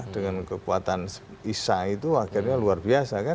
dengan kekuatan isa itu akhirnya luar biasa kan